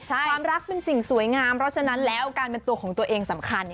ความรักเป็นสิ่งสวยงามเพราะฉะนั้นแล้วการเป็นตัวของตัวเองสำคัญ